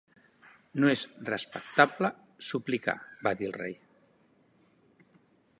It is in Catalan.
"No és respectable suplicar", va dir el rei.